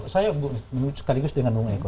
saya sekaligus dengan bung eko